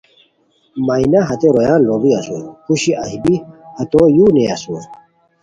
مینا ہتے رویان لوڑی اسور پوشی ایھ بی ہتو یو نیئے اسور